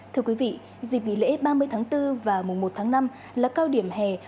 thưa quý vị dịp nghỉ lễ ba mươi tháng bốn và mùa một tháng năm là cao điểm hè